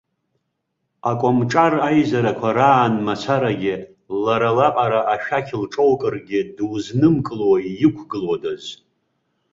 Акомҿар еизарақәа раан мацарагьы лара лаҟара, ашәақь лҿоукыргьы, дузнымкыло, иқәгылодаз!